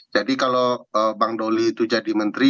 jadi kalau bang dolly itu jadi menteri